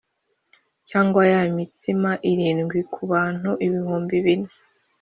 Cyangwa ya mitsima irindwi ku bantu ibihumbi bine